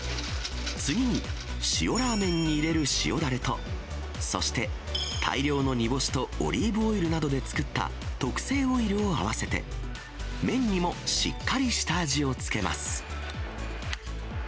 次に、塩ラーメンに入れる塩だれと、そして、大量の煮干しとオリーブオイルなどで作った特製オイルを合わせて、麺にもしっかり下味をつけます。